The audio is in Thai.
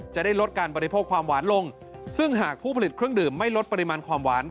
จะได้ลดการบริโภคความหวานลงซึ่งหากผู้ผลิตเครื่องดื่มไม่ลดปริมาณความหวาน